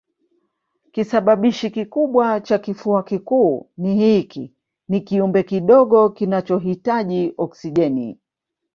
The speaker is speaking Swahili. Kisababishi kikubwa cha kifua kikuu ni hiiki ni kiumbe kidogo kinachohitaji oksijeni